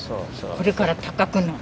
これから高くなる。